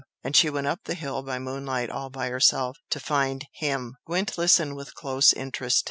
And she went up the hill by moonlight all by herself, to find HIM!" Gwent listened with close interest.